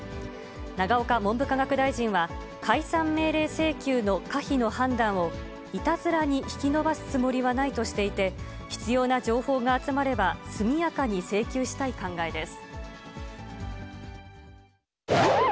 永岡文部科学大臣は、解散命令請求の可否の判断を、いたずらに引き延ばすつもりはないとしていて、必要な情報が集まれば、速やかに請求したい考えです。